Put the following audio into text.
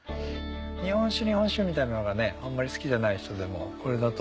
日本酒日本酒みたいなのがあんまり好きじゃない人でもこれだと。